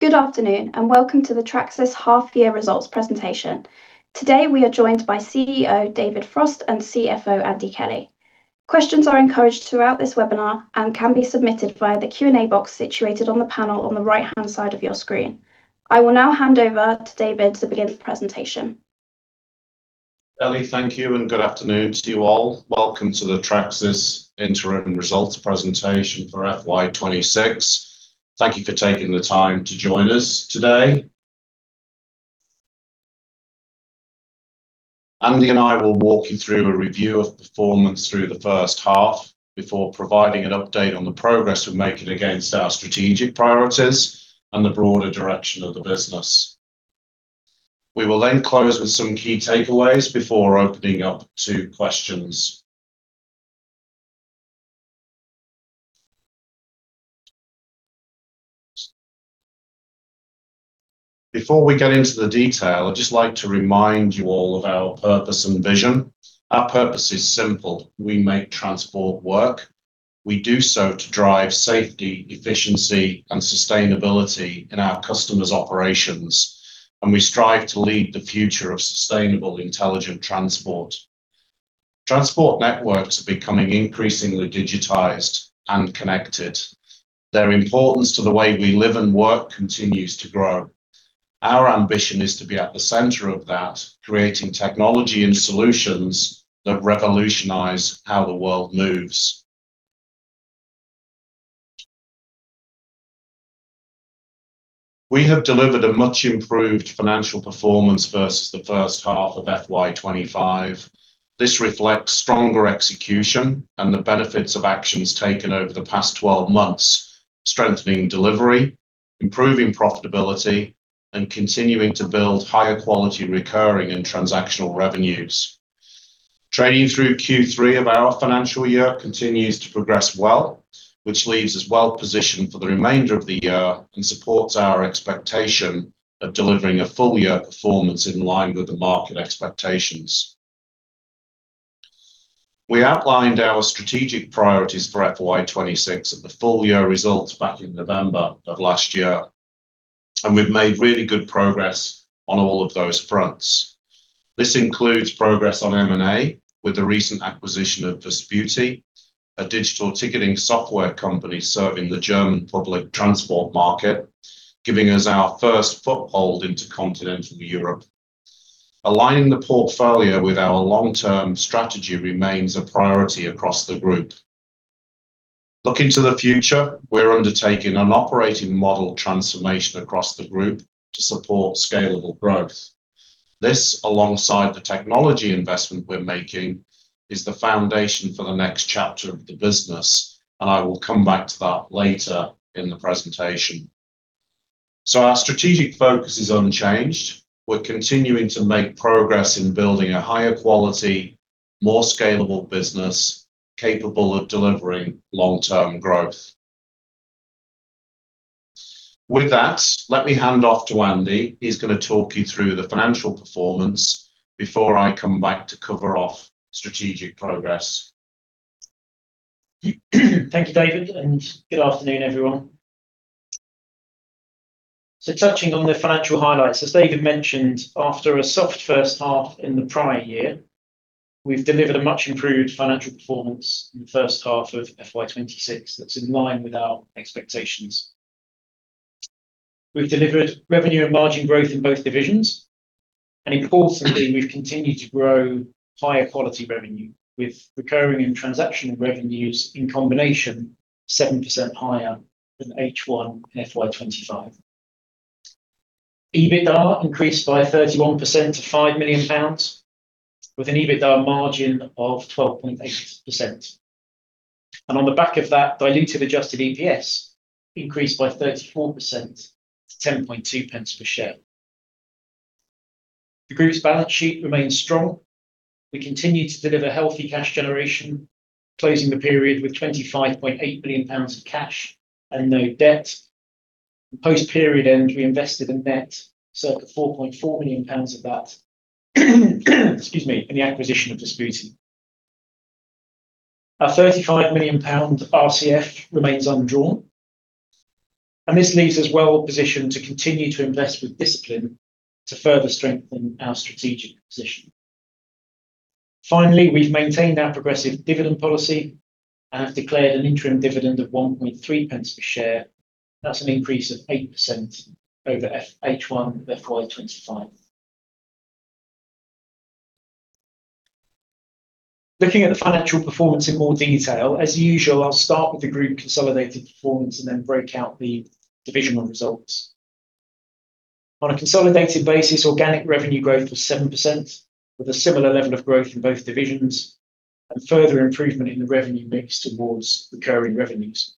Good afternoon, and welcome to the Tracsis half year results presentation. Today, we are joined by CEO David Frost and CFO Andy Kelly. Questions are encouraged throughout this webinar and can be submitted via the Q&A box situated on the panel on the right-hand side of your screen. I will now hand over to David to begin the presentation. Ellie, thank you. Good afternoon to you all. Welcome to the Tracsis interim results presentation for FY 2026. Thank you for taking the time to join us today. Andy and I will walk you through a review of performance through the first half before providing an update on the progress we're making against our strategic priorities and the broader direction of the business. We will then close with some key takeaways before opening up to questions. Before we get into the detail, I'd just like to remind you all of our purpose and vision. Our purpose is simple. We make transport work. We do so to drive safety, efficiency, and sustainability in our customers' operations. We strive to lead the future of sustainable intelligent transport. Transport networks are becoming increasingly digitized and connected. Their importance to the way we live and work continues to grow. Our ambition is to be at the center of that, creating technology and solutions that revolutionize how the world moves. We have delivered a much improved financial performance versus the first half of FY 2025. This reflects stronger execution and the benefits of actions taken over the past 12 months, strengthening delivery, improving profitability, and continuing to build higher quality recurring and transactional revenues. Trading through Q3 of our financial year continues to progress well, which leaves us well-positioned for the remainder of the year and supports our expectation of delivering a full-year performance in line with the market expectations. We outlined our strategic priorities for FY 2026 at the full year results back in November of last year. We've made really good progress on all of those fronts. This includes progress on M&A with the recent acquisition of Vesputi, a digital ticketing software company serving the German public transport market, giving us our first foothold into Continental Europe. Aligning the portfolio with our long-term strategy remains a priority across the group. Looking to the future, we're undertaking an operating model transformation across the group to support scalable growth. This, alongside the technology investment we're making, is the foundation for the next chapter of the business, and I will come back to that later in the presentation. Our strategic focus is unchanged. We're continuing to make progress in building a higher quality, more scalable business capable of delivering long-term growth. With that, let me hand off to Andy, who's gonna talk you through the financial performance before I come back to cover off strategic progress. Thank you, David. Good afternoon, everyone. Touching on the financial highlights, as David mentioned, after a soft first half in the prior year, we've delivered a much improved financial performance in the first half of FY 2026 that's in line with our expectations. We've delivered revenue and margin growth in both divisions. Importantly, we've continued to grow higher quality revenue with recurring and transactional revenues in combination 7% higher than H1 in FY 2025. EBITDA increased by 31% to 5 million pounds, with an EBITDA margin of 12.8%. On the back of that, diluted adjusted EPS increased by 34% to 0.102 per share. The group's balance sheet remains strong. We continue to deliver healthy cash generation, closing the period with 25.8 million pounds of cash and no debt. Post-period end, we invested in net circa 4.4 million pounds of that, excuse me, in the acquisition of Vesputi. Our GBP 35 million RCF remains undrawn. This leaves us well-positioned to continue to invest with discipline to further strengthen our strategic position. Finally, we've maintained our progressive dividend policy and have declared an interim dividend of 0.013 per share. That's an increase of 8% over H1 FY 2025. Looking at the financial performance in more detail, as usual, I'll start with the group consolidated performance and then break out the divisional results. On a consolidated basis, organic revenue growth was 7% with a similar level of growth in both divisions and further improvement in the revenue mix towards recurring revenues.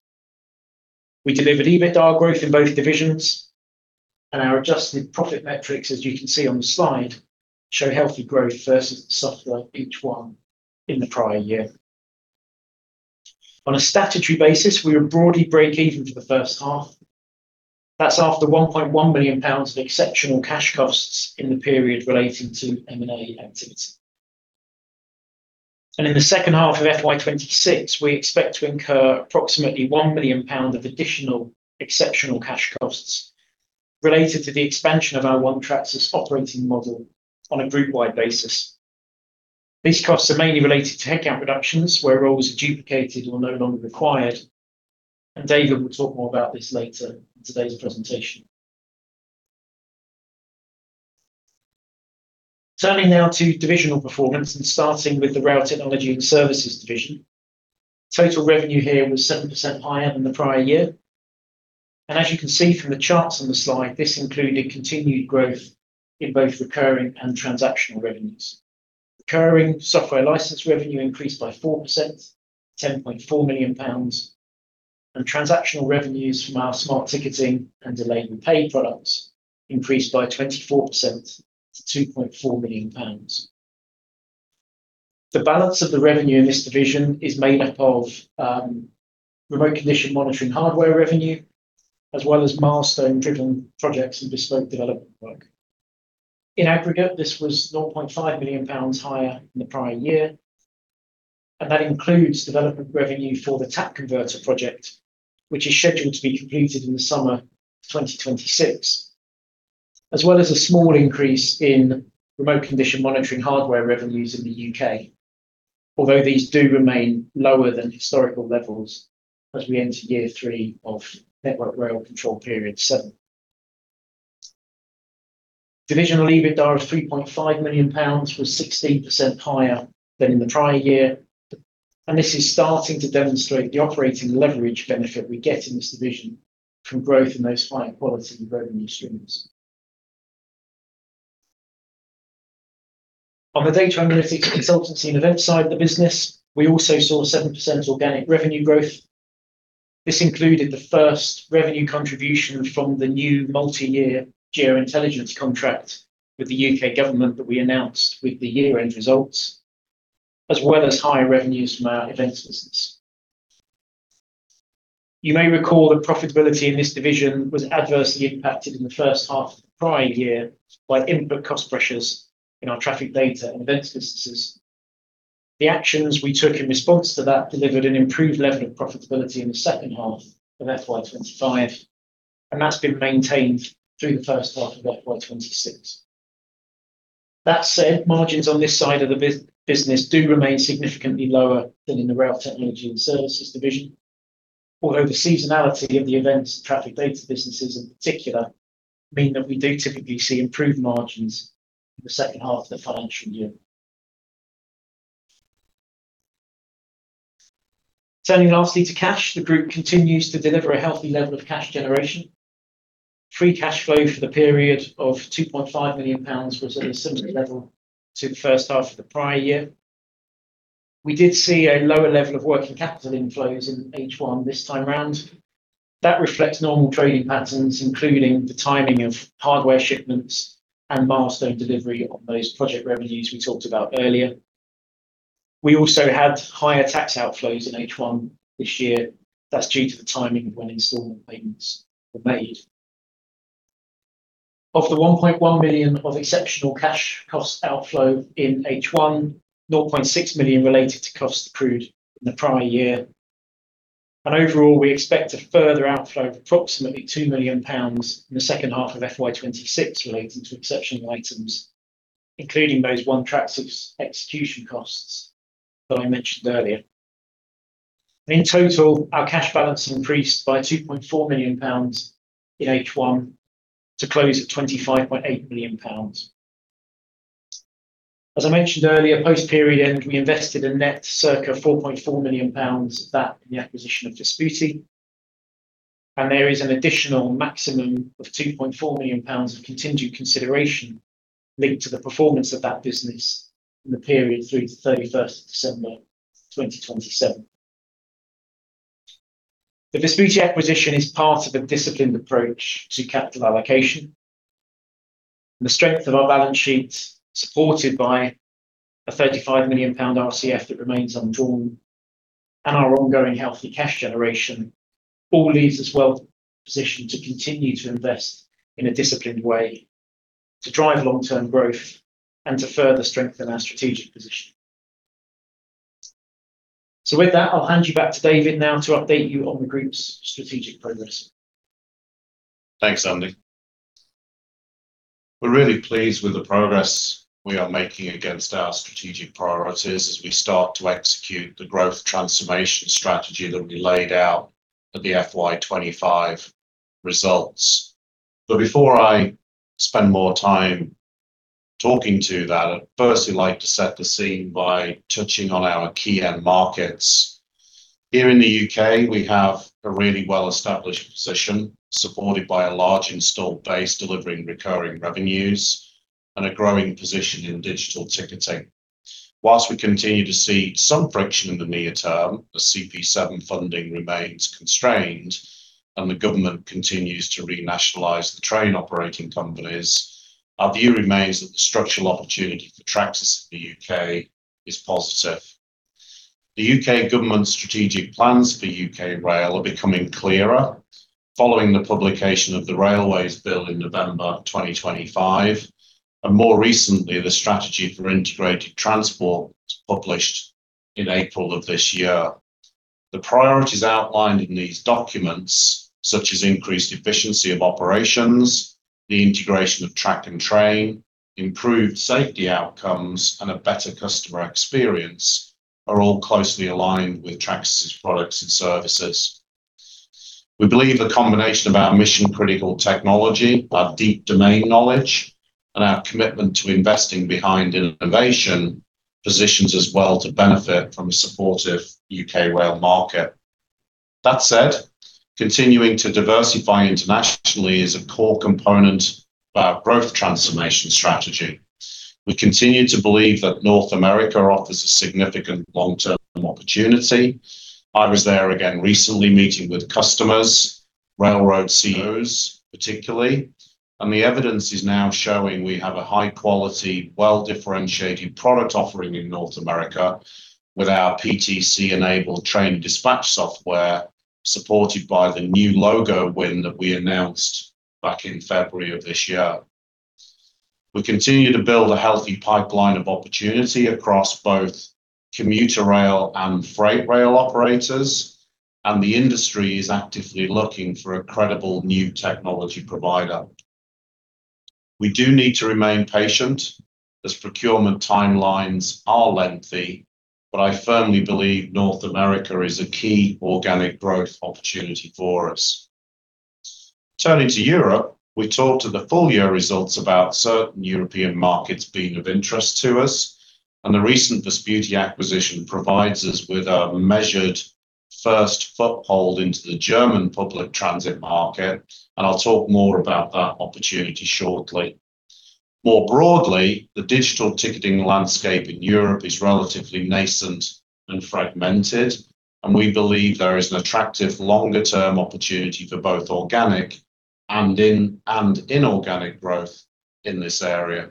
We delivered EBITDA growth in both divisions, and our adjusted profit metrics, as you can see on the slide, show healthy growth versus the soft H1 in the prior year. On a statutory basis, we were broadly breakeven for the first half. That's after 1.1 million pounds of exceptional cash costs in the period relating to M&A activity. In the second half of FY 2026, we expect to incur approximately 1 billion pound of additional exceptional cash costs related to the expansion of our One Tracsis operating model on a group-wide basis. These costs are mainly related to headcount reductions where roles are duplicated or no longer required. David will talk more about this later in today's presentation. Turning now to divisional performance and starting with the Rail Technology & Services division. Total revenue here was 7% higher than the prior year. As you can see from the charts on the slide, this included continued growth in both recurring and transactional revenues. Recurring software license revenue increased by 4%, 10.4 million pounds. Transactional revenues from our smart ticketing and Delay Repay products increased by 24% to 2.4 million pounds. The balance of the revenue in this division is made up of Remote Condition Monitoring hardware revenue, as well as milestone-driven projects and bespoke development work. In aggregate, this was 0.5 million pounds higher than the prior year, and that includes development revenue for the Tap Converter project, which is scheduled to be completed in the summer of 2026, as well as a small increase in Remote Condition Monitoring hardware revenues in the U.K. Although these do remain lower than historical levels as we enter year three of Network Rail Control Period 7. Divisional EBITDA of 3.5 million pounds was 16% higher than in the prior year. This is starting to demonstrate the operating leverage benefit we get in this division from growth in those high-quality revenue streams. On the Data, Analytics, Consultancy & Events side of the business, we also saw 7% organic revenue growth. This included the first revenue contribution from the new multi-year Geo-Intelligence contract with the U.K. government that we announced with the year-end results, as well as higher revenues from our events business. You may recall that profitability in this division was adversely impacted in the first half of the prior year by input cost pressures in our traffic data and events businesses. The actions we took in response to that delivered an improved level of profitability in the second half of FY 2025, and that's been maintained through the first half of FY 2026. That said, margins on this side of the bus-business do remain significantly lower than in the Rail Technology & Services division, although the seasonality of the events traffic data businesses in particular mean that we do typically see improved margins in the second half of the financial year. Turning lastly to cash, the group continues to deliver a healthy level of cash generation. Free cash flow for the period of 2.5 million pounds was at a similar level to the first half of the prior year. We did see a lower level of working capital inflows in H1 this time around. That reflects normal trading patterns, including the timing of hardware shipments and milestone delivery on those project revenues we talked about earlier. We also had higher tax outflows in H1 this year. That's due to the timing of when installment payments were made. Of the 1.1 million of exceptional cash cost outflow in H1, 0.6 million related to costs accrued in the prior year. Overall, we expect a further outflow of approximately 2 million pounds in the second half of FY 2026 related to exceptional items, including those One Tracsis execution costs that I mentioned earlier. In total, our cash balance increased by 2.4 million pounds in H1 to close at 25.8 million pounds. As I mentioned earlier, post-period end, we invested a net circa 4.4 million pounds of that in the acquisition of Vesputi. There is an additional maximum of 2.4 million pounds of contingent consideration linked to the performance of that business in the period through the 31st of December 2027. The Vesputi acquisition is part of a disciplined approach to capital allocation. The strength of our balance sheet, supported by a 35 million pound RCF that remains undrawn and our ongoing healthy cash generation, all leaves us well positioned to continue to invest in a disciplined way to drive long-term growth and to further strengthen our strategic position. With that, I'll hand you back to David now to update you on the group's strategic progress. Thanks, Andy. We're really pleased with the progress we are making against our strategic priorities as we start to execute the growth transformation strategy that we laid out at the FY 2025 results. Before I spend more time talking to that, I'd firstly like to set the scene by touching on our key end markets. Here in the U.K., we have a really well-established position supported by a large installed base delivering recurring revenues and a growing position in digital ticketing. Whilst we continue to see some friction in the near term as CP7 funding remains constrained and the government continues to renationalize the train operating companies, our view remains that the structural opportunity for Tracsis in the U.K. is positive. The U.K. government's strategic plans for U.K. rail are becoming clearer following the publication of the Railways Bill in November 2025, and more recently, the Strategy for Integrated Transport was published in April of this year. The priorities outlined in these documents, such as increased efficiency of operations, the integration of track and train, improved safety outcomes, and a better customer experience, are all closely aligned with Tracsis' products and services. We believe the combination of our mission-critical technology, our deep domain knowledge, and our commitment to investing behind innovation positions us well to benefit from a supportive U.K. rail market. Continuing to diversify internationally is a core component of our growth transformation strategy. We continue to believe that North America offers a significant long-term opportunity. I was there again recently meeting with customers, railroad CEOs particularly, and the evidence is now showing we have a high-quality, well-differentiated product offering in North America with our PTC-enabled train dispatch software, supported by the new logo win that we announced back in February of this year. We continue to build a healthy pipeline of opportunity across both commuter rail and freight rail operators, and the industry is actively looking for a credible new technology provider. We do need to remain patient as procurement timelines are lengthy, but I firmly believe North America is a key organic growth opportunity for us. Turning to Europe, we talked at the full-year results about certain European markets being of interest to us. The recent Vesputi acquisition provides us with a measured first foothold into the German public transit market. I'll talk more about that opportunity shortly. More broadly, the digital ticketing landscape in Europe is relatively nascent and fragmented. We believe there is an attractive longer-term opportunity for both organic and inorganic growth in this area.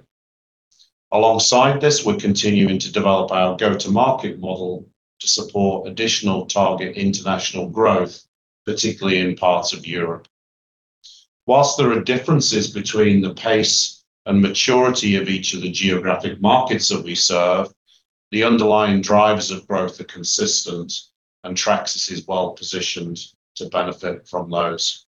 Alongside this, we're continuing to develop our go-to-market model to support additional target international growth, particularly in parts of Europe. While there are differences between the pace and maturity of each of the geographic markets that we serve, the underlying drivers of growth are consistent. Tracsis is well-positioned to benefit from those.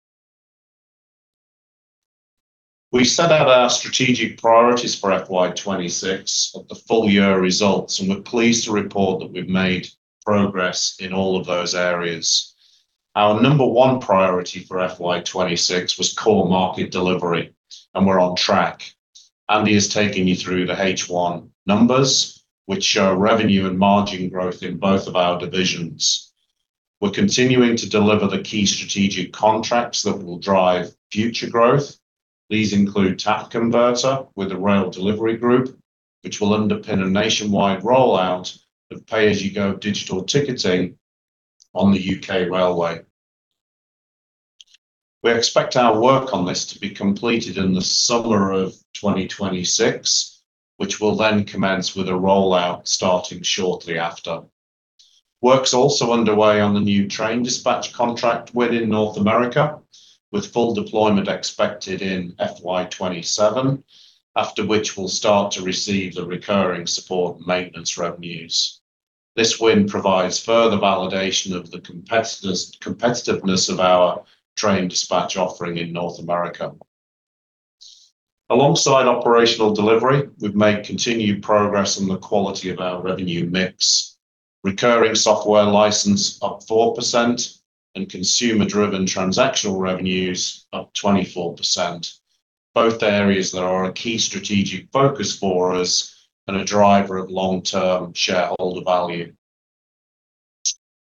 We set out our strategic priorities for FY 2026 at the full-year results. We're pleased to report that we've made progress in all of those areas. Our number one priority for FY 2026 was core market delivery. We're on track. Andy has taken you through the H1 numbers, which show revenue and margin growth in both of our divisions. We're continuing to deliver the key strategic contracts that will drive future growth. These include Tap Converter with the Rail Delivery Group, which will underpin a nationwide rollout of pay-as-you-go digital ticketing on the U.K. railway. We expect our work on this to be completed in the summer of 2026, which will then commence with a rollout starting shortly after. Work's also underway on the new train dispatch contract within North America, with full deployment expected in FY 2027, after which we'll start to receive the recurring support and maintenance revenues. This win provides further validation of the competitiveness of our train dispatch offering in North America. Alongside operational delivery, we've made continued progress on the quality of our revenue mix. Recurring software license up 4% and consumer-driven transactional revenues up 24%, both areas that are a key strategic focus for us and a driver of long-term shareholder value.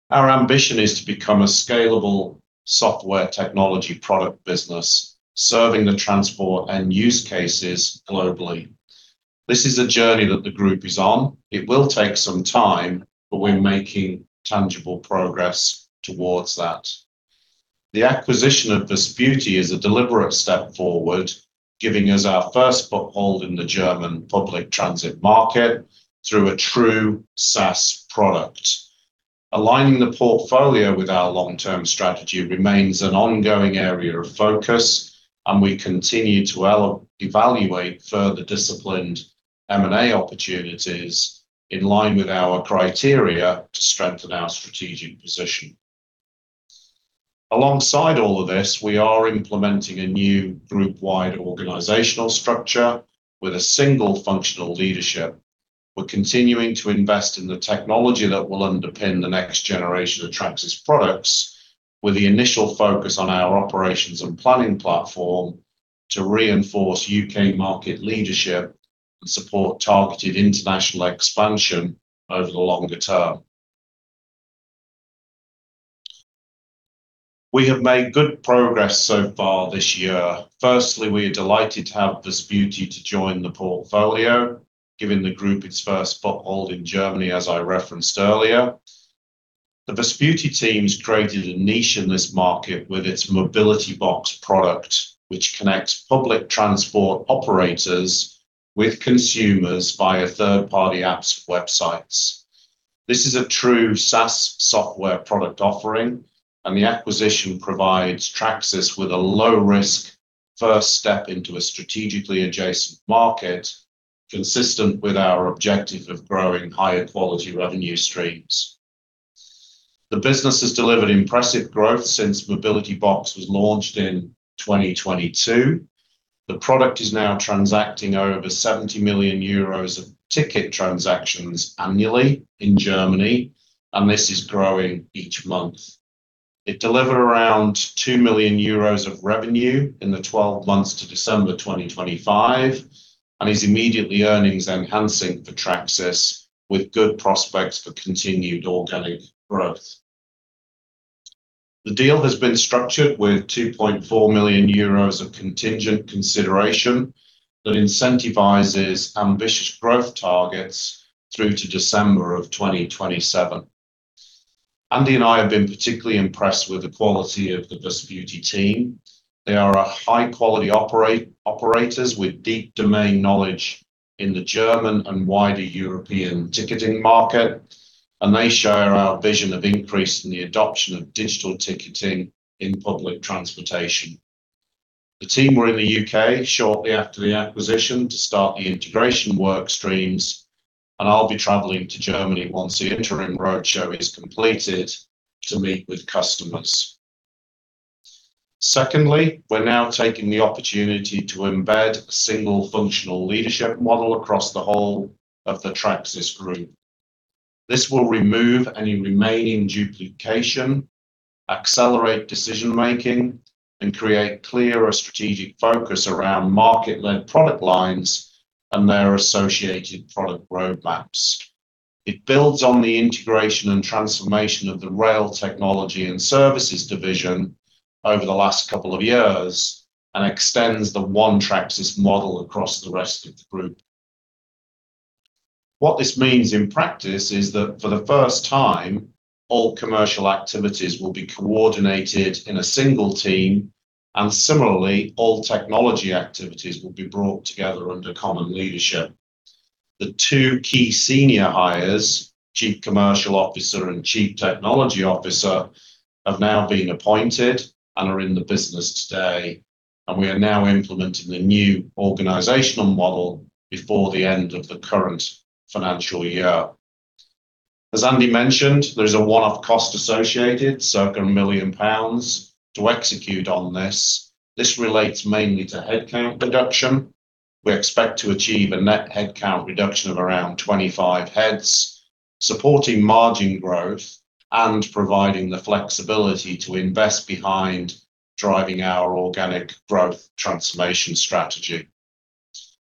Our ambition is to become a scalable software technology product business serving the transport and use cases globally. This is a journey that the group is on. It will take some time, but we're making tangible progress towards that. The acquisition of Vesputi is a deliberate step forward, giving us our first foothold in the German public transit market through a true SaaS product. Aligning the portfolio with our long-term strategy remains an ongoing area of focus. We continue to evaluate further disciplined M&A opportunities in line with our criteria to strengthen our strategic position. Alongside all of this, we are implementing a new group-wide organizational structure with a single functional leadership. We're continuing to invest in the technology that will underpin the next generation of Tracsis products with the initial focus on our operations and planning platform to reinforce UK market leadership and support targeted international expansion over the longer term. We have made good progress so far this year. Firstly, we are delighted to have Vesputi to join the portfolio, giving the group its first foothold in Germany, as I referenced earlier. The Vesputi team's created a niche in this market with its Mobilitybox product, which connects public transport operators with consumers via third-party apps, websites. This is a true SaaS software product offering, and the acquisition provides Tracsis with a low risk first step into a strategically adjacent market, consistent with our objective of growing higher quality revenue streams. The business has delivered impressive growth since Mobilitybox was launched in 2022. The product is now transacting over 70 million euros of ticket transactions annually in Germany, and this is growing each month. It delivered around 2 million euros of revenue in the 12 months to December 2025 and is immediately earnings enhancing for Tracsis with good prospects for continued organic growth. The deal has been structured with 2.4 million euros of contingent consideration that incentivizes ambitious growth targets through to December 2027. Andy and I have been particularly impressed with the quality of the Vesputi team. They are a high quality operators with deep domain knowledge in the German and wider European ticketing market, and they share our vision of increasing the adoption of digital ticketing in public transportation. The team were in the U.K. shortly after the acquisition to start the integration work streams, and I'll be traveling to Germany once the interim roadshow is completed to meet with customers. We're now taking the opportunity to embed a single functional leadership model across the whole of the Tracsis group. This will remove any remaining duplication, accelerate decision-making, and create clearer strategic focus around market-led product lines and their associated product roadmaps. It builds on the integration and transformation of the Rail Technology & Services division over the last couple of years and extends the One Tracsis model across the rest of the group. What this means in practice is that for the first time, all commercial activities will be coordinated in a single team, and similarly, all technology activities will be brought together under common leadership. The two key senior hires, Chief Commercial Officer and Chief Technology Officer, have now been appointed and are in the business today, and we are now implementing the new organizational model before the end of the current financial year. As Andy mentioned, there is a one off cost associated, circa 1 million pounds, to execute on this. This relates mainly to headcount reduction. We expect to achieve a net headcount reduction of around 25 heads, supporting margin growth and providing the flexibility to invest behind driving our organic growth transformation strategy.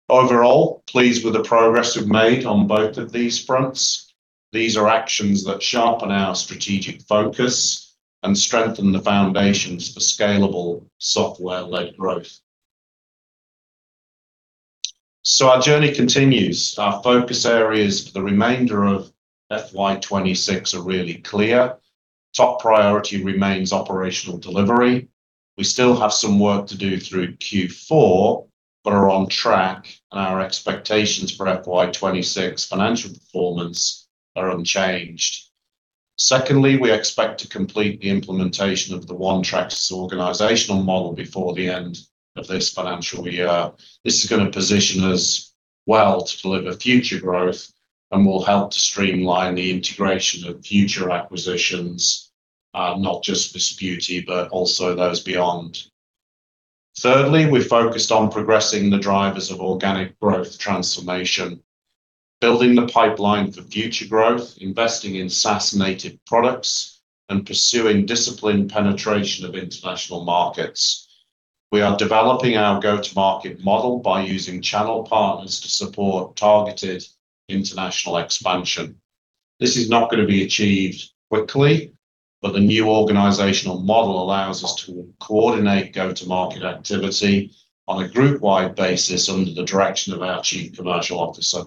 Overall, pleased with the progress we've made on both of these fronts. These are actions that sharpen our strategic focus and strengthen the foundations for scalable software-led growth. Our journey continues. Our focus areas for the remainder of FY 2026 are really clear. Top priority remains operational delivery. We still have some work to do through Q4 but are on track, and our expectations for FY 2026 financial performance are unchanged. Secondly, we expect to complete the implementation of the One Tracsis organizational model before the end of this financial year. This is gonna position us well to deliver future growth and will help to streamline the integration of future acquisitions, not just Vesputi, but also those beyond. Thirdly, we're focused on progressing the drivers of organic growth transformation, building the pipeline for future growth, investing in SaaS-native products, and pursuing disciplined penetration of international markets. We are developing our go-to-market model by using channel partners to support targeted international expansion. This is not going to be achieved quickly, but the new organizational model allows us to coordinate go-to-market activity on a group-wide basis under the direction of our Chief Commercial Officer.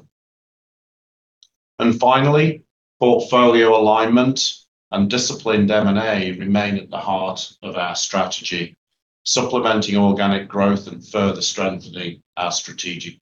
Finally, portfolio alignment and disciplined M&A remain at the heart of our strategy, supplementing organic growth and further strengthening our strategic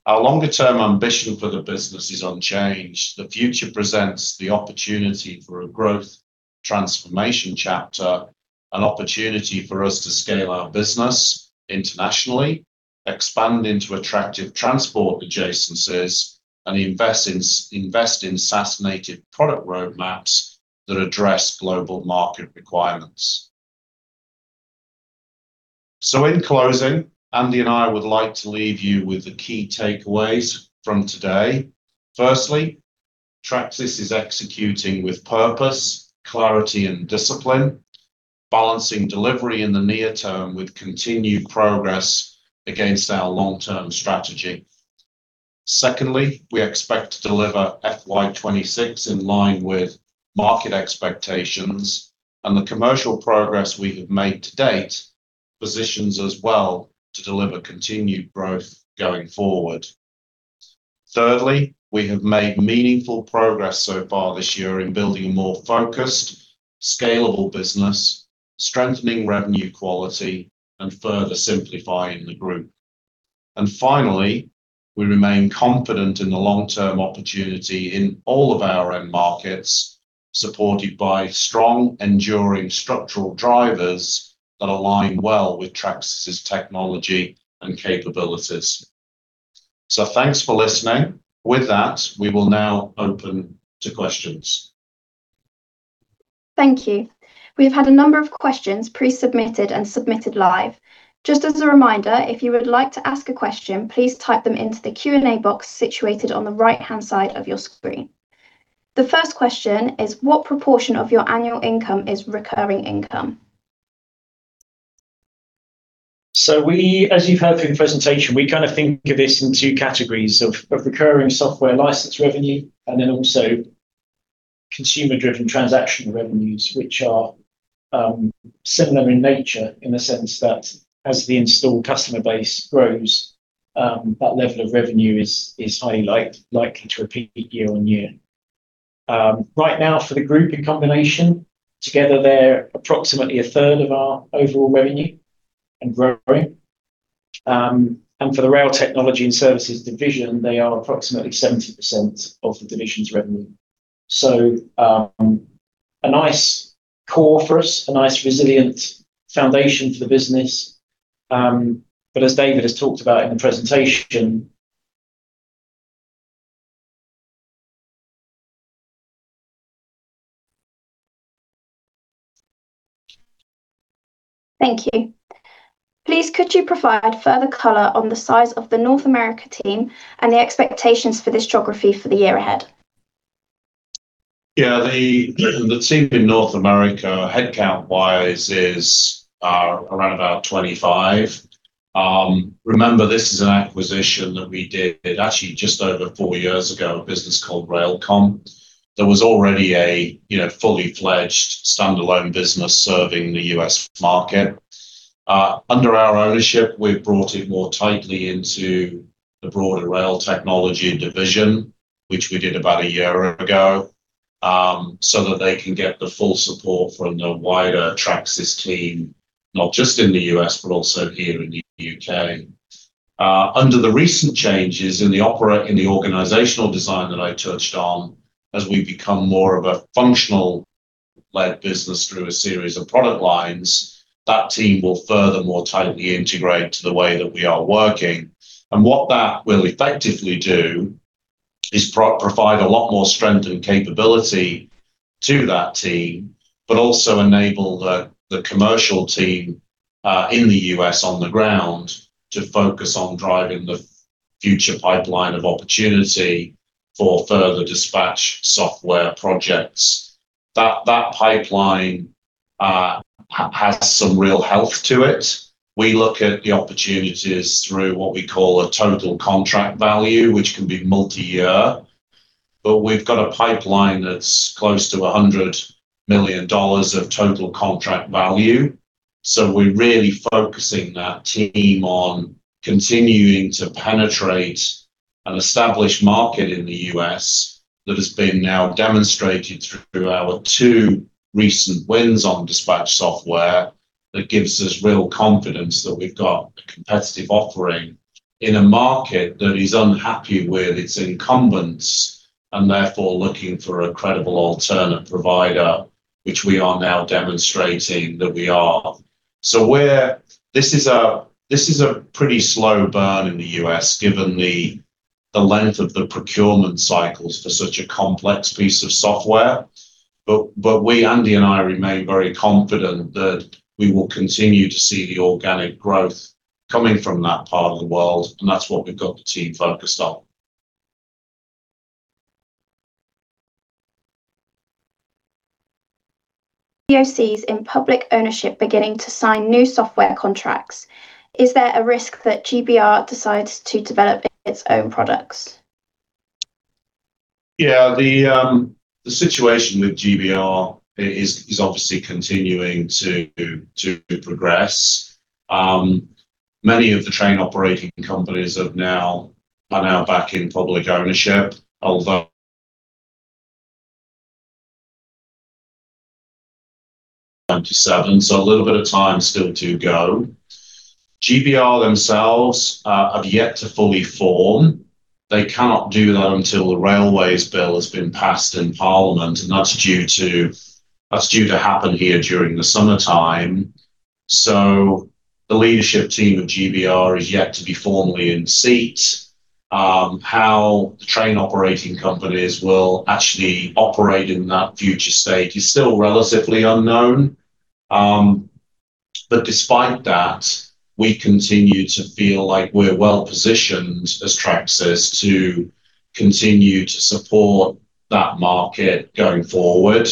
position. Our longer-term ambition for the business is unchanged. The future presents the opportunity for a growth transformation chapter, an opportunity for us to scale our business internationally, expand into attractive transport adjacencies, and invest in SaaS-native product roadmaps that address global market requirements. In closing, Andy and I would like to leave you with the key takeaways from today. Firstly, Tracsis is executing with purpose, clarity, and discipline, balancing delivery in the near term with continued progress against our long-term strategy. Secondly, we expect to deliver FY 2026 in line with market expectations, and the commercial progress we have made to date positions us well to deliver continued growth going forward. Thirdly, we have made meaningful progress so far this year in building a more focused, scalable business, strengthening revenue quality, and further simplifying the group. Finally, we remain confident in the long-term opportunity in all of our end markets, supported by strong, enduring structural drivers that align well with Tracsis technology and capabilities. Thanks for listening. With that, we will now open to questions. Thank you. We've had a number of questions pre-submitted and submitted live. Just as a reminder, if you would like to ask a question, please type them into the Q&A box situated on the right-hand side of your screen. The first question is, what proportion of your annual income is recurring income? As you've heard through the presentation, we kind of think of this in two categories of recurring software license revenue and then also consumer-driven transactional revenues, which are similar in nature in the sense that as the installed customer base grows, that level of revenue is highly likely to repeat year on year. Right now for the group in combination, together they're approximately a third of our overall revenue and growing. And for the Rail Technology & Services division, they are approximately 70% of the division's revenue. A nice core for us, a nice resilient foundation for the business. As David has talked about in the presentation. Thank you. Please could you provide further color on the size of the North America team and the expectations for this geography for the year ahead? Yeah. The team in North America headcount-wise is around about 25. Remember, this is an acquisition that we did actually just over four years ago, a business called RailComm. There was already a, you know, fully-fledged standalone business serving the U.S. market. Under our ownership, we've brought it more tightly into the broader Rail Technology division, which we did about a year ago, so that they can get the full support from the wider Tracsis team, not just in the U.S., but also here in the U.K. Under the recent changes in the organizational design that I touched on, as we become more of a functional-led business through a series of product lines, that team will furthermore tightly integrate to the way that we are working. What that will effectively do is provide a lot more strength and capability to that team, but also enable the commercial team in the U.S. on the ground to focus on driving the future pipeline of opportunity for further dispatch software projects. That pipeline has some real health to it. We look at the opportunities through what we call a Total Contract Value, which can be multi-year, but we've got a pipeline that's close to $100 million of Total Contract Value. We're really focusing that team on continuing to penetrate an established market in the U.S. that has been now demonstrated through our two recent wins on dispatch software. That gives us real confidence that we've got a competitive offering in a market that is unhappy with its incumbents, and therefore looking for a credible alternate provider, which we are now demonstrating that we are. This is a pretty slow burn in the U.S. given the length of the procurement cycles for such a complex piece of software. We, Andy and I, remain very confident that we will continue to see the organic growth coming from that part of the world, and that's what we've got the team focused on. TOCs in public ownership beginning to sign new software contracts. Is there a risk that GBR decides to develop its own products? The situation with GBR is obviously continuing to progress. Many of the train operating companies are now back in public ownership, although 27, so a little bit of time still to go. GBR themselves have yet to fully form. They cannot do that until the Railways Bill has been passed in Parliament, that's due to happen here during the summertime. The leadership team of GBR is yet to be formally in seat. How the train operating companies will actually operate in that future state is still relatively unknown. Despite that, we continue to feel like we're well-positioned as Tracsis to continue to support that market going forward.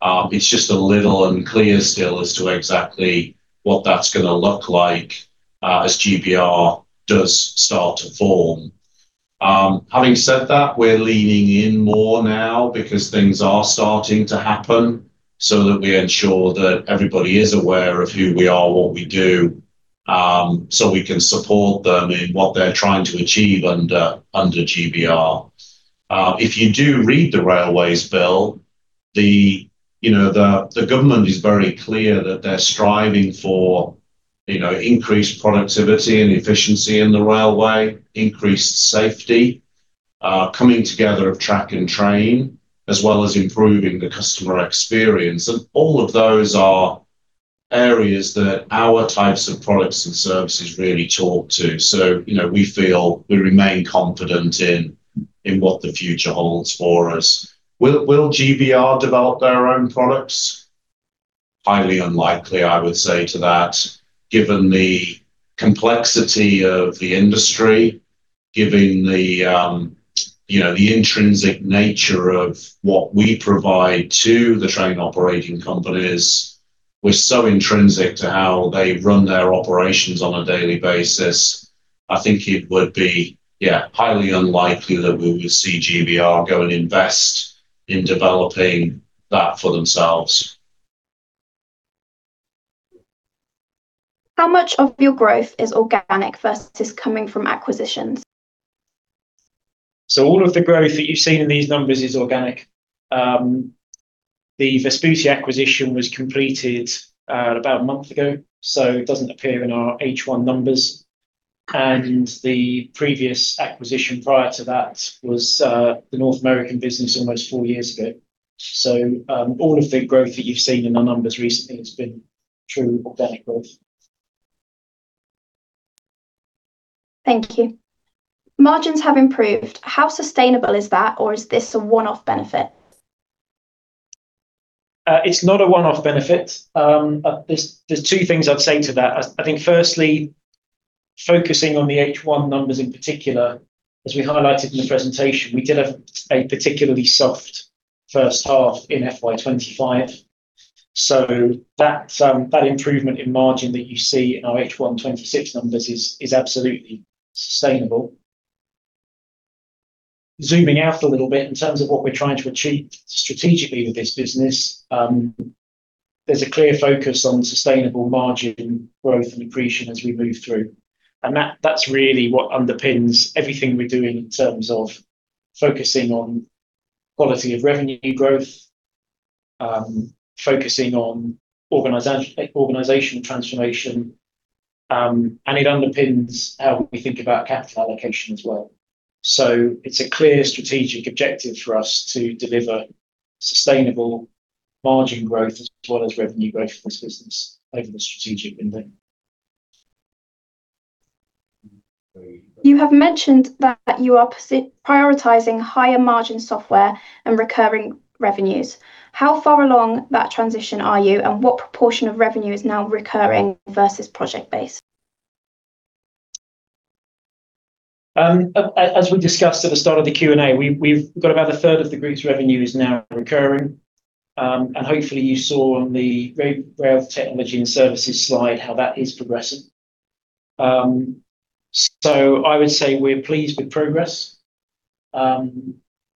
It's just a little unclear still as to exactly what that's gonna look like as GBR does start to form. Having said that, we're leaning in more now because things are starting to happen so that we ensure that everybody is aware of who we are, what we do, so we can support them in what they're trying to achieve under GBR. If you do read the Railways Bill, you know, the government is very clear that they're striving for, you know, increased productivity and efficiency in the railway, increased safety, coming together of track and train, as well as improving the customer experience. All of those are areas that our types of products and services really talk to. You know, we feel we remain confident in what the future holds for us. Will GBR develop their own products? Highly unlikely, I would say to that, given the complexity of the industry, given the, you know, the intrinsic nature of what we provide to the train operating companies, we're so intrinsic to how they run their operations on a daily basis, I think it would be, yeah, highly unlikely that we would see GBR go and invest in developing that for themselves. How much of your growth is organic versus coming from acquisitions? All of the growth that you've seen in these numbers is organic. The Vesputi acquisition was completed about a month ago, so it doesn't appear in our H1 numbers. The previous acquisition prior to that was the North American business almost four years ago. All of the growth that you've seen in our numbers recently has been true organic growth. Thank you. Margins have improved. How sustainable is that, or is this a one-off benefit? It's not a one-off benefit. There's two things I'd say to that. I think firstly, focusing on the H1 numbers in particular, as we highlighted in the presentation, we did have a particularly soft first half in FY 2025. That improvement in margin that you see in our H1 2026 numbers is absolutely sustainable. Zooming out a little bit in terms of what we're trying to achieve strategically with this business, there's a clear focus on sustainable margin growth and accretion as we move through. That's really what underpins everything we're doing in terms of focusing on quality of revenue growth, focusing on organizational transformation, and it underpins how we think about capital allocation as well. It's a clear strategic objective for us to deliver sustainable margin growth as well as revenue growth for this business over the strategic window. You have mentioned that you are prioritizing higher margin software and recurring revenues. How far along that transition are you, and what proportion of revenue is now recurring versus project-based? As we discussed at the start of the Q&A, we've got about a third of the group's revenue is now recurring. Hopefully you saw on the Rail Technology & Services slide how that is progressing. I would say we're pleased with progress,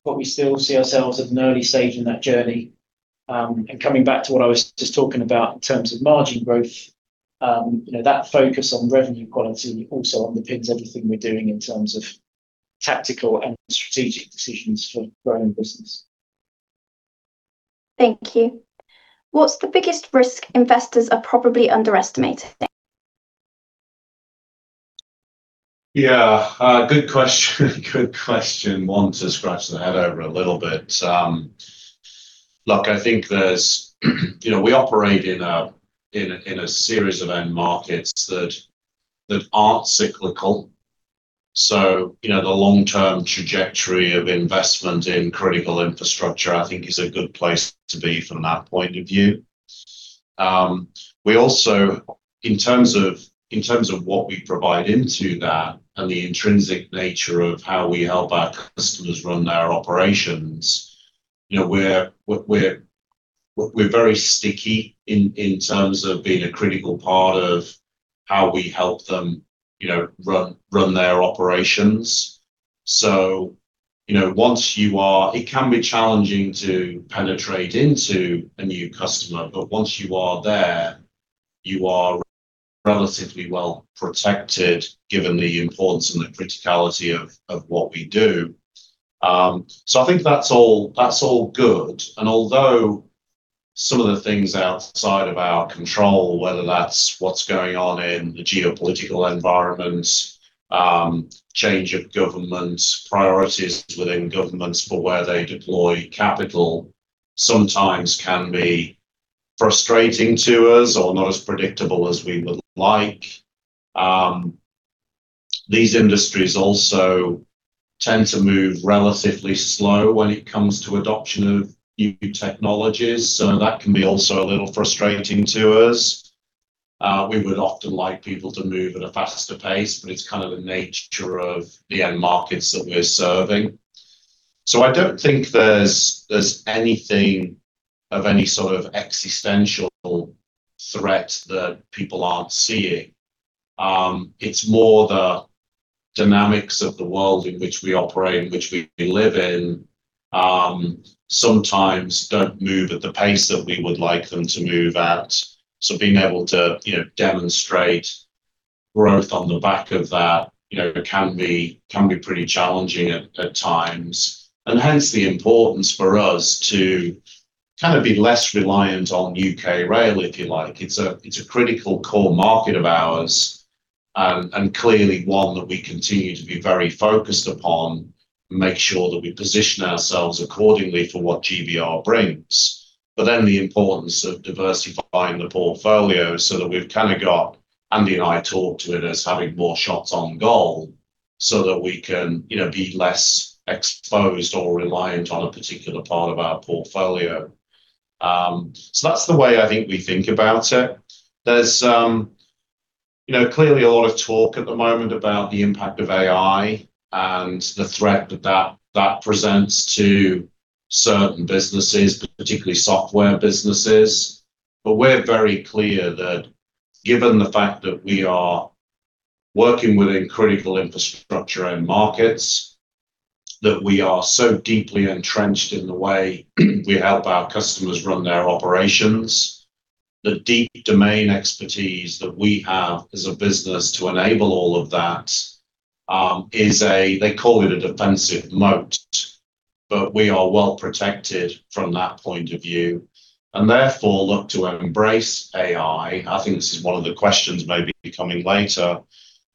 we still see ourselves at an early stage in that journey. Coming back to what I was just talking about in terms of margin growth, you know, that focus on revenue quality also underpins everything we're doing in terms of tactical and strategic decisions for growing the business. Thank you. What's the biggest risk investors are probably underestimating? Yeah. Good question. Good question. One to scratch the head over a little bit. Look, I think you know, we operate in a, in a, in a series of end markets that aren't cyclical. You know, the long-term trajectory of investment in critical infrastructure, I think is a good place to be from that point of view. We also, in terms of, in terms of what we provide into that and the intrinsic nature of how we help our customers run their operations, you know, we're very sticky in terms of being a critical part of how we help them, you know, run their operations. You know, it can be challenging to penetrate into a new customer, but once you are there, you are relatively well protected given the importance and the criticality of what we do. I think that's all good. Although some of the things outside of our control, whether that's what's going on in the geopolitical environment, change of government, priorities within governments for where they deploy capital sometimes can be frustrating to us or not as predictable as we would like. These industries also tend to move relatively slow when it comes to adoption of new technologies, so that can be also a little frustrating to us. We would often like people to move at a faster pace, but it's kind of the nature of the end markets that we're serving. I don't think there's anything of any sort of existential threat that people aren't seeing. It's more the dynamics of the world in which we operate, in which we live in, sometimes don't move at the pace that we would like them to move at. Being able to, you know, demonstrate growth on the back of that, you know, can be pretty challenging at times. Hence the importance for us to kind of be less reliant on U.K. rail, if you like. It's a critical core market of ours, and clearly one that we continue to be very focused upon, make sure that we position ourselves accordingly for what GBR brings. The importance of diversifying the portfolio so that we've kind of got Andy and I talked to it as having more shots on goal so that we can, you know, be less exposed or reliant on a particular part of our portfolio. That's the way I think we think about it. There's, you know, clearly a lot of talk at the moment about the impact of AI and the threat that presents to certain businesses, particularly software businesses. We're very clear that given the fact that we are working within critical infrastructure and markets, that we are so deeply entrenched in the way we help our customers run their operations, the deep domain expertise that we have as a business to enable all of that is a, they call it a defensive moat. We are well protected from that point of view and therefore look to embrace AI. I think this is one of the questions maybe coming later.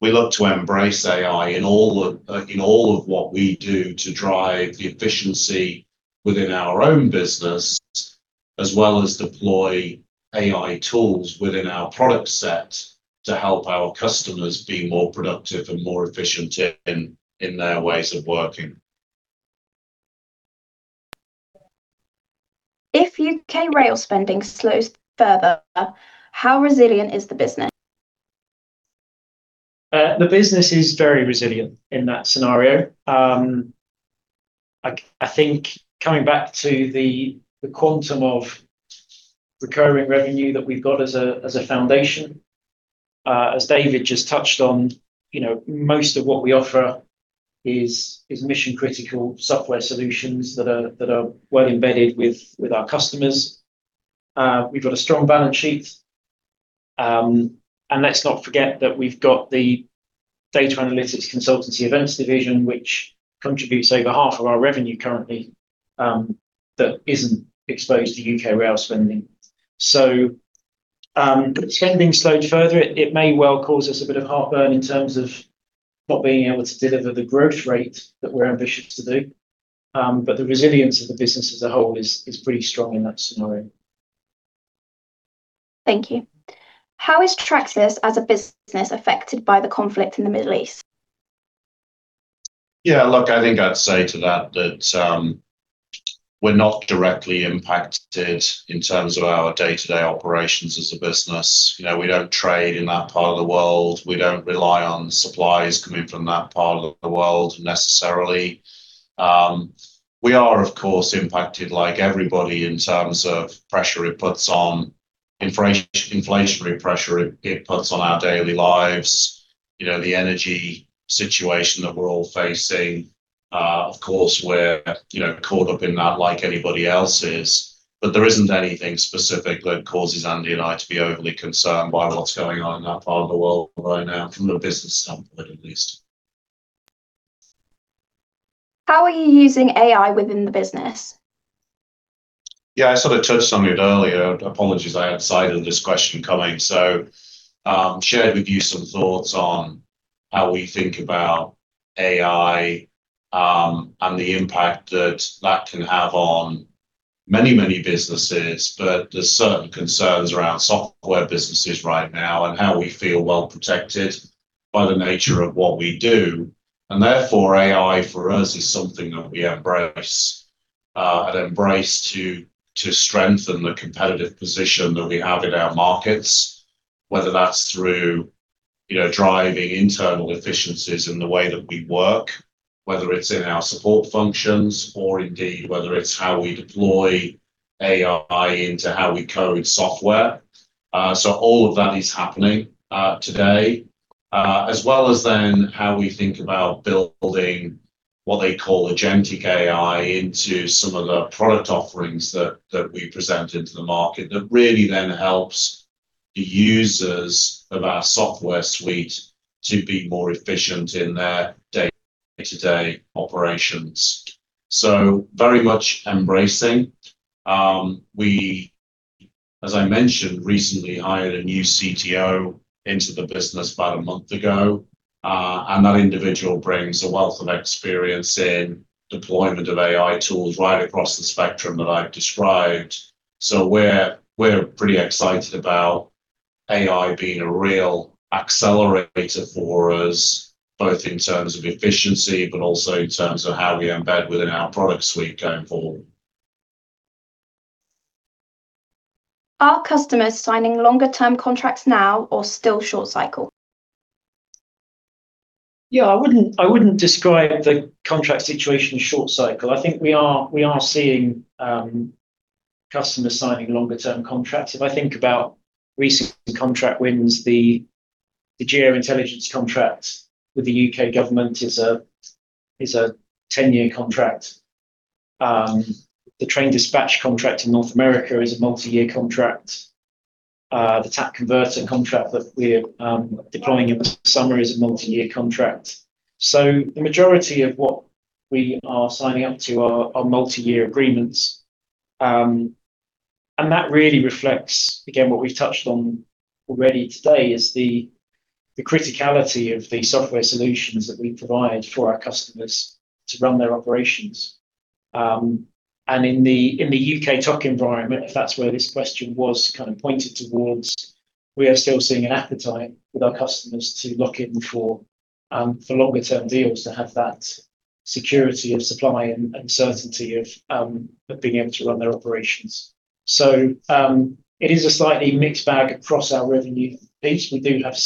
We look to embrace AI in all of what we do to drive the efficiency within our own business, as well as deploy AI tools within our product set to help our customers be more productive and more efficient in their ways of working. If U.K. rail spending slows further, how resilient is the business? The business is very resilient in that scenario. I think coming back to the quantum of recurring revenue that we've got as a foundation, as David just touched on, you know, most of what we offer is mission-critical software solutions that are well embedded with our customers. We've got a strong balance sheet. Let's not forget that we've got the Data, Analytics, Consultancy & Events division, which contributes over half of our revenue currently, that isn't exposed to U.K. rail spending. Spending slowed further, it may well cause us a bit of heartburn in terms of not being able to deliver the growth rate that we're ambitious to do. The resilience of the business as a whole is pretty strong in that scenario. Thank you. How is Tracsis as a business affected by the conflict in the Middle East? Yeah, look, I think I'd say to that, we're not directly impacted in terms of our day-to-day operations as a business. You know, we don't trade in that part of the world. We don't rely on suppliers coming from that part of the world necessarily. We are, of course, impacted like everybody in terms of pressure it puts on inflationary pressure it puts on our daily lives. You know, the energy situation that we're all facing. Of course, we're, you know, caught up in that like anybody else is. There isn't anything specific that causes Andy and I to be overly concerned by what's going on in that part of the world right now from a business standpoint, at least. How are you using AI within the business? Yeah, I sort of touched on it earlier. Apologies, I had sighted this question coming. Shared with you some thoughts on how we think about AI and the impact that that can have on many, many businesses. There's certain concerns around software businesses right now and how we feel well protected by the nature of what we do. AI for us is something that we embrace and embrace to strengthen the competitive position that we have in our markets, whether that's through, you know, driving internal efficiencies in the way that we work, whether it's in our support functions or indeed whether it's how we deploy AI into how we code software. All of that is happening today. As well as then how we think about building what they call Agentic AI into some of the product offerings that we present into the market that really then helps the users of our software suite to be more efficient in their day-to-day operations, very much embracing. We, as I mentioned, recently hired a new CTO into the business about one month ago. That individual brings a wealth of experience in deployment of AI tools right across the spectrum that I've described. We're pretty excited about AI being a real accelerator for us, both in terms of efficiency but also in terms of how we embed within our product suite going forward. Are customers signing longer term contracts now or still short cycle? Yeah, I wouldn't describe the contract situation short cycle. I think we are seeing customers signing longer term contracts. If I think about recent contract wins, the Geo-Intelligence contract with the U.K. government is a 10-year contract. The train dispatch contract in North America is a multi-year contract. The Tap Converter contract that we're deploying in the summer is a multi-year contract. The majority of what we are signing up to are multi-year agreements. That really reflects, again, what we've touched on already today is the criticality of the software solutions that we provide for our customers to run their operations. In the U.K. TOC environment, if that's where this question was kind of pointed towards, we are still seeing an appetite with our customers to lock in for longer term deals to have that security of supply and certainty of being able to run their operations. It is a slightly mixed bag across our revenue piece. We do have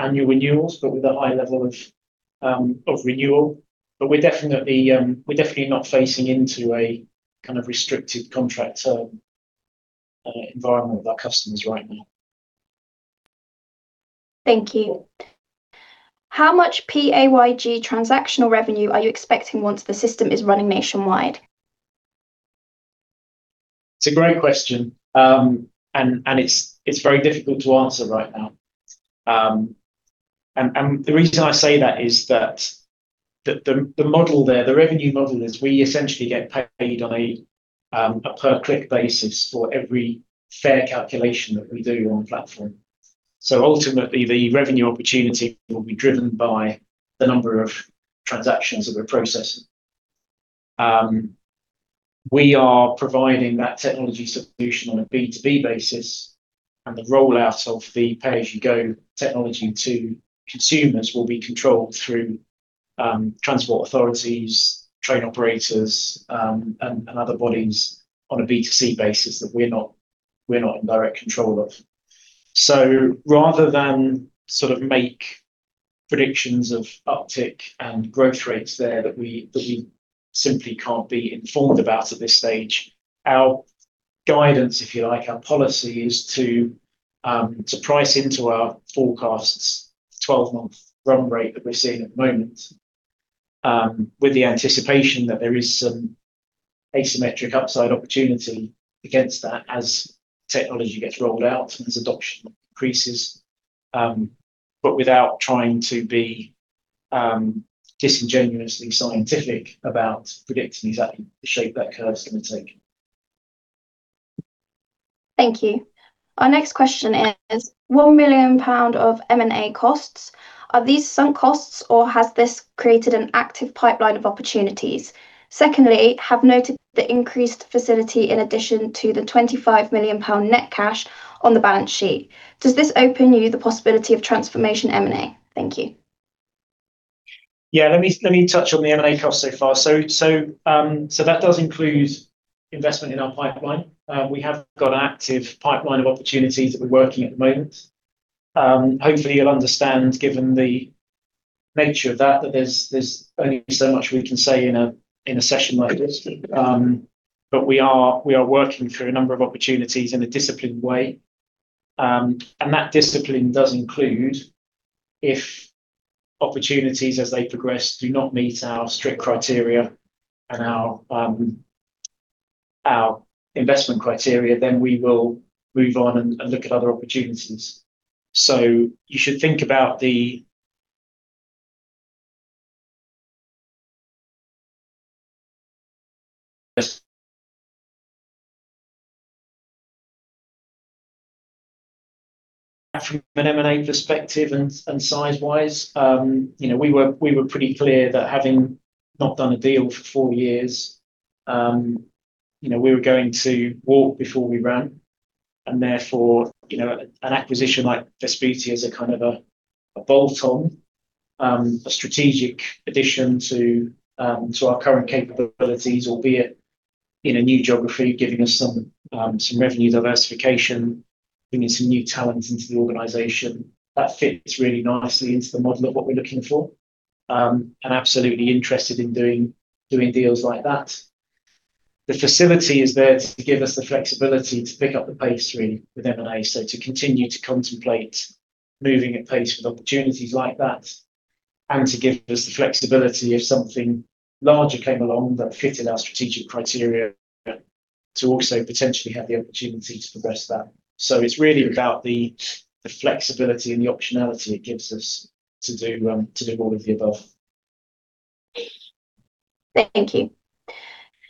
some annual renewals, but with a high level of renewal. We're definitely not facing into a kind of restricted contract term environment with our customers right now. Thank you. How much PAYG transactional revenue are you expecting once the system is running nationwide? It's a great question. It's very difficult to answer right now. The reason I say that is that the model there, the revenue model is we essentially get paid on a per-click basis for every fare calculation that we do on platform. Ultimately, the revenue opportunity will be driven by the number of transactions that we're processing. We are providing that technology solution on a B2B basis, and the rollout of the pay-as-you-go technology to consumers will be controlled through transport authorities, train operators, and other bodies on a B2C basis that we're not in direct control of. Rather than sort of make predictions of uptick and growth rates there that we simply can't be informed about at this stage, our guidance, if you like, our policy is to price into our forecasts 12 month run rate that we're seeing at the moment, with the anticipation that there is some asymmetric upside opportunity against that as technology gets rolled out, as adoption increases, but without trying to be disingenuously scientific about predicting exactly the shape that curve's gonna take. Thank you. Our next question is, 1 million pound of M&A costs. Are these sunk costs, or has this created an active pipeline of opportunities? Secondly, have noted the increased facility in addition to the 25 million pound net cash on the balance sheet. Does this open you the possibility of transformation M&A? Thank you. Yeah, let me touch on the M&A cost so far. That does include investment in our pipeline. We have got an active pipeline of opportunities that we're working at the moment. Hopefully you'll understand, given the nature of that there's only so much we can say in a session like this. We are working through a number of opportunities in a disciplined way. That discipline does include if opportunities as they progress do not meet our strict criteria and our investment criteria, then we will move on and look at other opportunities. You should think about the from an M&A perspective and size-wise, you know, we were pretty clear that having not done a deal for four years, you know, we were going to walk before we ran, and therefore, you know, an acquisition like Vesputi as a kind of a bolt on, a strategic addition to our current capabilities, albeit in a new geography, giving us some revenue diversification, bringing some new talent into the organization, that fits really nicely into the model of what we're looking for, and absolutely interested in doing deals like that. The facility is there to give us the flexibility to pick up the pace really with M&A, to continue to contemplate moving at pace with opportunities like that, and to give us the flexibility if something larger came along that fitted our strategic criteria to also potentially have the opportunity to progress that. It's really about the flexibility and the optionality it gives us to do to do all of the above. Thank you.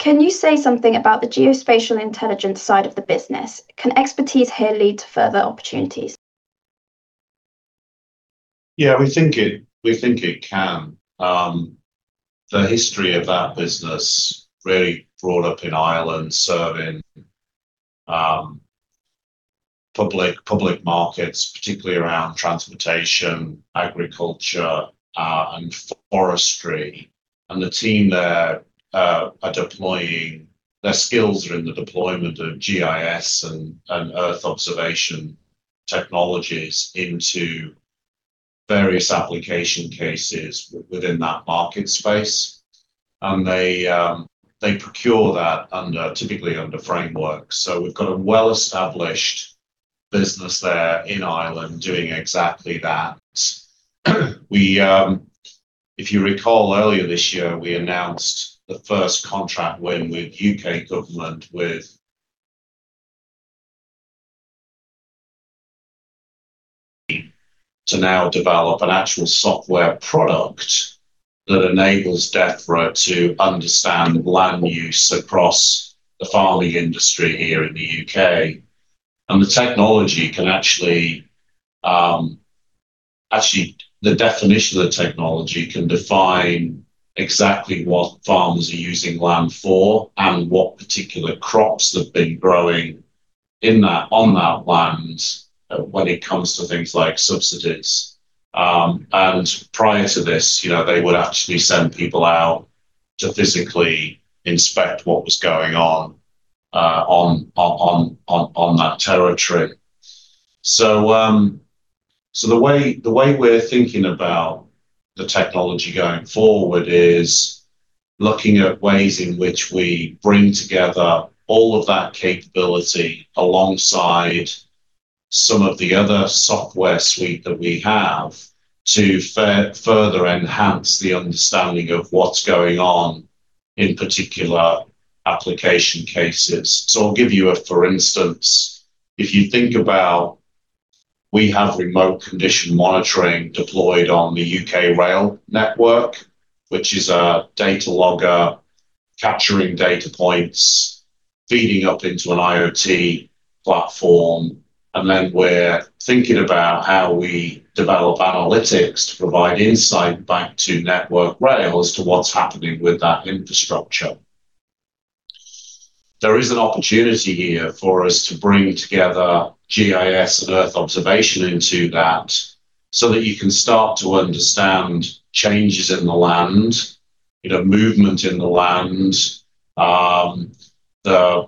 Can you say something about the Geospatial Intelligence side of the business? Can expertise here lead to further opportunities? Yeah, we think it can. The history of that business really brought up in Ireland serving, Public markets, particularly around transportation, agriculture and forestry. The team there are deploying their skills in the deployment of GIS and earth observation technologies into various application cases within that market space. They procure that under, typically under framework. We've got a well-established business there in Ireland doing exactly that. We, if you recall earlier this year, we announced the first contract win with U.K. government, with to now develop an actual software product that enables Defra to understand land use across the farming industry here in the U.K. The technology can actually, the definition of the technology can define exactly what farms are using land for and what particular crops they've been growing in that, on that land when it comes to things like subsidies. Prior to this, you know, they would actually send people out to physically inspect what was going on on that territory. The way we're thinking about the technology going forward is looking at ways in which we bring together all of that capability alongside some of the other software suite that we have to further enhance the understanding of what's going on in particular application cases. I'll give you a for instance. If you think about we have Remote Condition Monitoring deployed on the U.K. rail network, which is a data logger capturing data points, feeding up into an IoT platform, and then we're thinking about how we develop analytics to provide insight back to Network Rail as to what's happening with that infrastructure. There is an opportunity here for us to bring together GIS and earth observation into that so that you can start to understand changes in the land, you know, movement in the land, the,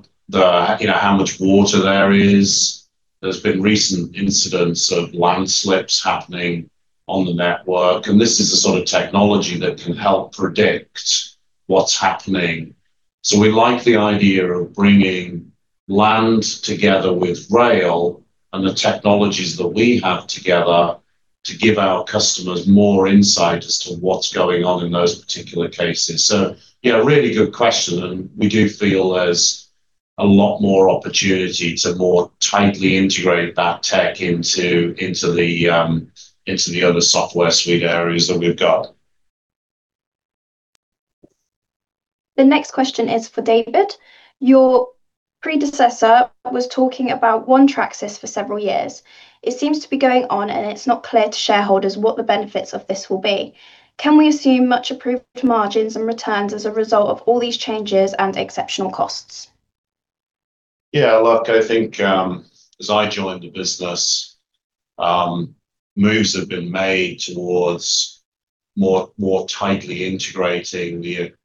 you know, how much water there is. There's been recent incidents of land slips happening on the network, this is the sort of technology that can help predict what's happening. We like the idea of bringing land together with rail and the technologies that we have together to give our customers more insight as to what's going on in those particular cases. You know, really good question, and we do feel there's a lot more opportunity to more tightly integrate that tech into the other software suite areas that we've got. The next question is for David. Your predecessor was talking about One Tracsis for several years. It seems to be going on, and it's not clear to shareholders what the benefits of this will be. Can we assume much improved margins and returns as a result of all these changes and exceptional costs? Look, I think, as I joined the business, moves have been made towards more, more tightly integrating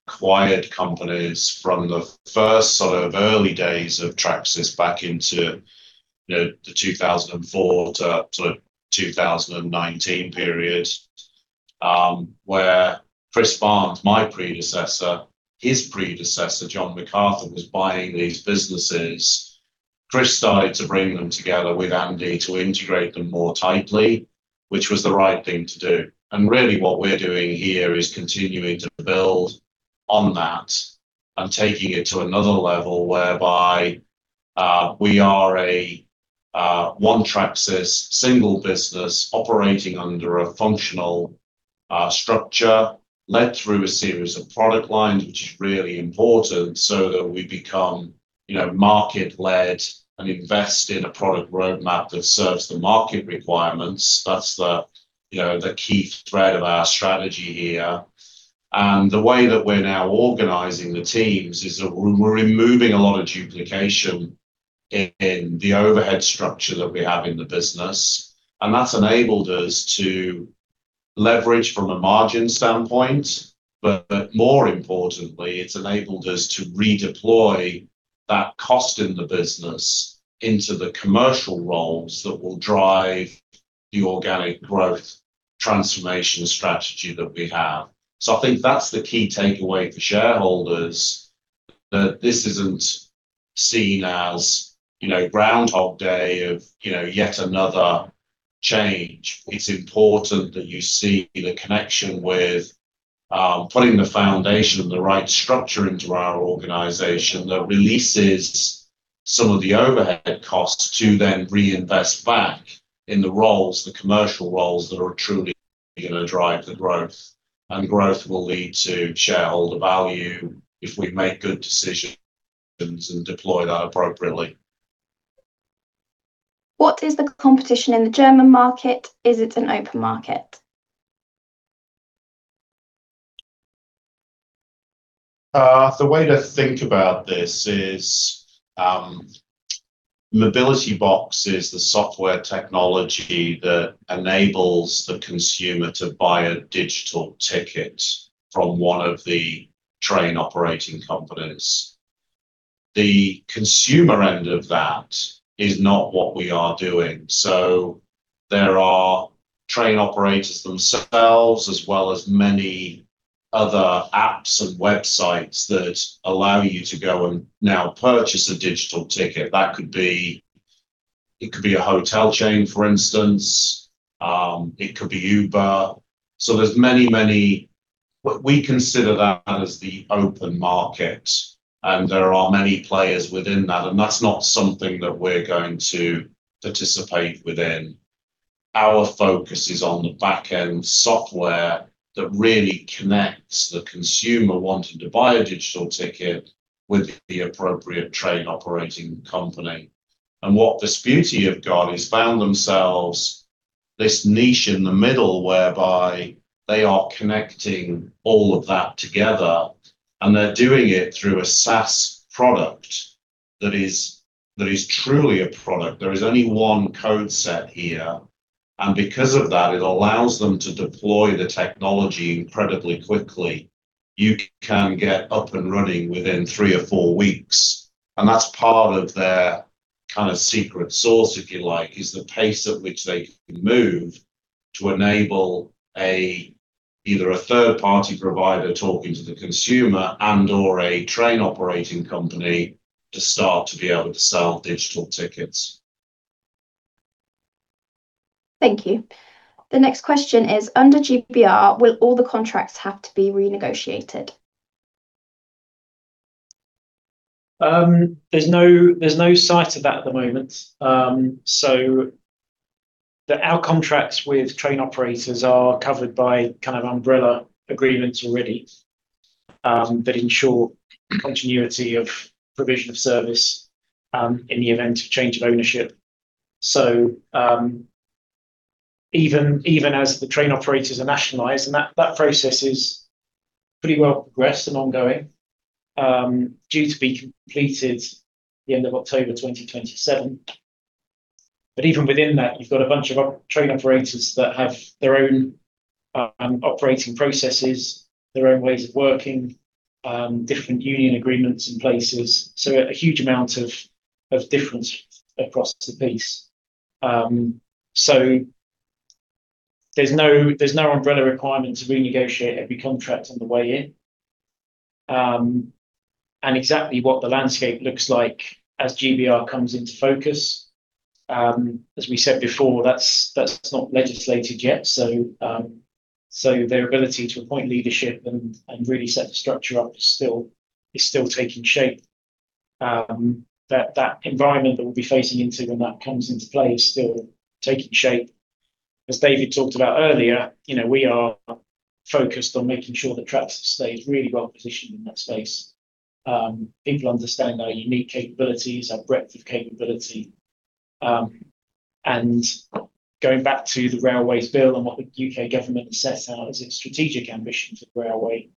the acquired companies from the first sort of early days of Tracsis back into, you know, the 2004 to sort of 2019 period, where Chris Barnes, my predecessor, his predecessor, John McArthur, was buying these businesses. Chris started to bring them together with Andy to integrate them more tightly, which was the right thing to do. Really what we're doing here is continuing to build on that and taking it to another level whereby we are a One Tracsis single business operating under a functional structure led through a series of product lines, which is really important so that we become, you know, market-led and invest in a product roadmap that serves the market requirements. That's the, you know, the key thread of our strategy here. The way that we're now organizing the teams is that we're removing a lot of duplication in the overhead structure that we have in the business, and that's enabled us to leverage from a margin standpoint. More importantly, it's enabled us to redeploy that cost in the business into the commercial roles that will drive the organic growth transformation strategy that we have. I think that's the key takeaway for shareholders, that this isn't seen as, you know, Groundhog Day of, you know, yet another change. It's important that you see the connection with putting the foundation and the right structure into our organization that releases some of the overhead costs to then reinvest back in the roles, the commercial roles that are truly gonna drive the growth. Growth will lead to shareholder value if we make good decisions and deploy that appropriately. What is the competition in the German market? Is it an open market? The way to think about this is, Mobilitybox is the software technology that enables the consumer to buy a digital ticket from one of the train operating companies. The consumer end of that is not what we are doing. There are train operators themselves, as well as many other apps and websites that allow you to go and now purchase a digital ticket. It could be a hotel chain, for instance. It could be Uber. There's many. We consider that as the open market, and there are many players within that, and that's not something that we're going to participate within. Our focus is on the back-end software that really connects the consumer wanting to buy a digital ticket with the appropriate train operating company. What Vesputi have got is found themselves this niche in the middle whereby they are connecting all of that together, and they are doing it through a SaaS product that is truly a product. There is only one code set here, and because of that, it allows them to deploy the technology incredibly quickly. You can get up and running within three or four weeks, and that's part of their kind of secret sauce, if you like, is the pace at which they can move to enable a, either a third-party provider talking to the consumer and/or a train operating company to start to be able to sell digital tickets. Thank you. The next question is, under GBR, will all the contracts have to be renegotiated? There's no, there's no sight of that at the moment. Our contracts with train operators are covered by kind of umbrella agreements already that ensure continuity of provision of service in the event of change of ownership. Even as the train operators are nationalized, and that process is pretty well progressed and ongoing, due to be completed the end of October 2027. Even within that, you've got a bunch of train operators that have their own operating processes, their own ways of working, different union agreements in places. A huge amount of difference across the piece. There's no, there's no umbrella requirement to renegotiate every contract on the way in. Exactly what the landscape looks like as GBR comes into focus, as we said before, that's not legislated yet, so their ability to appoint leadership and really set the structure up is still taking shape. That environment that we'll be facing into when that comes into play is still taking shape. As David talked about earlier, you know, we are focused on making sure that Tracsis stays really well-positioned in that space. People understand our unique capabilities, our breadth of capability. Going back to the Railways Bill and what the U.K. government has set out as its strategic ambitions of railway,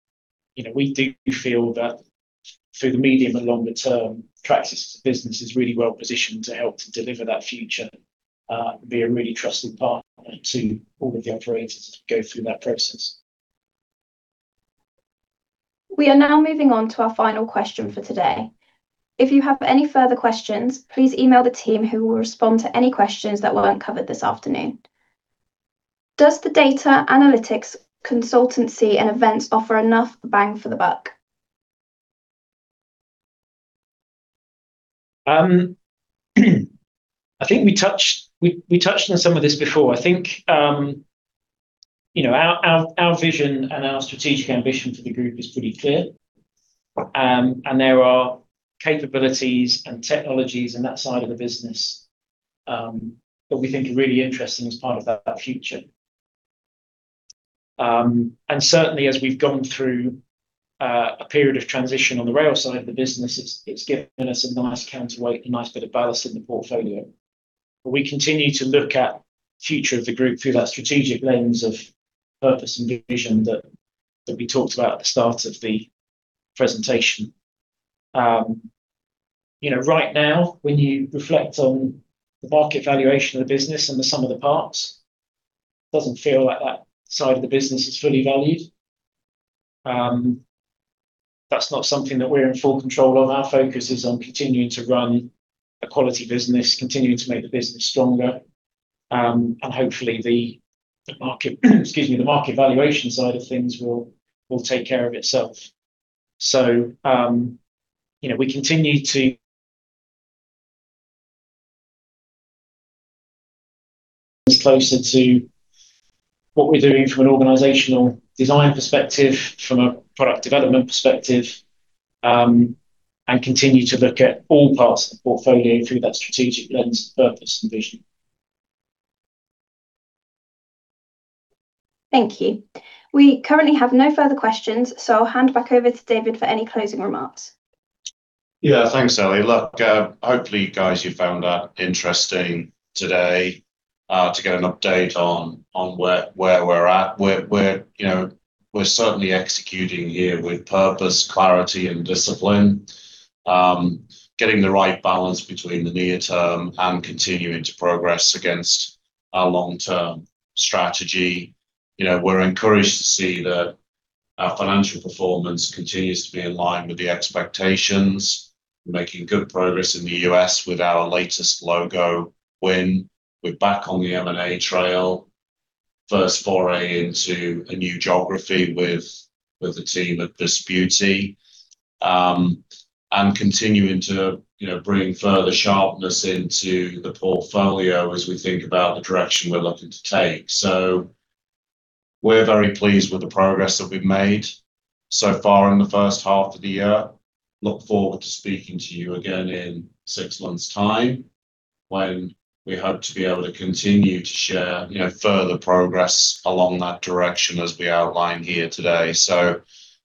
you know, we do feel that through the medium and longer term, Tracsis as a business is really well-positioned to help to deliver that future, and be a really trusted partner to all of the operators go through that process. We are now moving on to our final question for today. If you have any further questions, please email the team who will respond to any questions that weren't covered this afternoon. Does the Data, Analytics, Consultancy & Events offer enough bang for the buck? I think we touched on some of this before. I think, you know, our vision and our strategic ambition for the group is pretty clear. There are capabilities and technologies in that side of the business that we think are really interesting as part of that future. Certainly, as we've gone through a period of transition on the rail side of the business, it's given us a nice counterweight, a nice bit of ballast in the portfolio. We continue to look at future of the group through that strategic lens of purpose and vision that we talked about at the start of the presentation. You know, right now, when you reflect on the market valuation of the business and the sum of the parts, doesn't feel like that side of the business is fully valued. That's not something that we're in full control of. Our focus is on continuing to run a quality business, continuing to make the business stronger, and hopefully the market, excuse me, the market valuation side of things will take care of itself. You know, it's closer to what we're doing from an organizational design perspective, from a product development perspective, and continue to look at all parts of the portfolio through that strategic lens of purpose and vision. Thank you. We currently have no further questions. I'll hand back over to David for any closing remarks. Thanks, Ellie. Hopefully, guys, you found that interesting today, to get an update on where we're at. We're, you know, we're certainly executing here with purpose, clarity and discipline. Getting the right balance between the near term and continuing to progress against our long-term strategy. You know, we're encouraged to see that our financial performance continues to be in line with the expectations. We're making good progress in the U.S. with our latest logo win. We're back on the M&A trail. First foray into a new geography with the team at Vesputi. Continuing to, you know, bring further sharpness into the portfolio as we think about the direction we're looking to take. We're very pleased with the progress that we've made so far in the first half of the year. Look forward to speaking to you again in six months' time when we hope to be able to continue to share, you know, further progress along that direction as we outlined here today.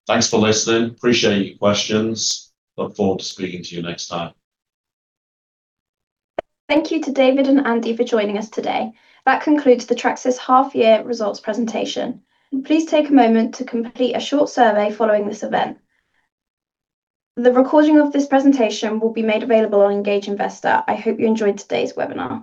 Thanks for listening. Appreciate your questions. Look forward to speaking to you next time. Thank you to David and Andy for joining us today. That concludes the Tracsis half year results presentation. Please take a moment to complete a short survey following this event. The recording of this presentation will be made available on Engage Investor. I hope you enjoyed today's webinar.